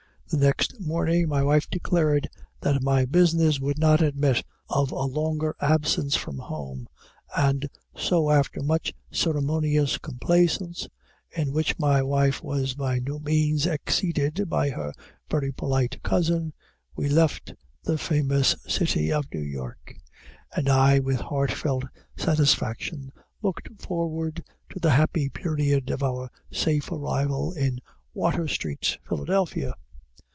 The next morning my wife declared that my business would not admit of a longer absence from home and so after much ceremonious complaisance in which my wife was by no means exceeded by her very polite cousin we left the famous city of New York; and I with heart felt satisfaction looked forward to the happy period of our safe arrival in Water street, Philadelphia.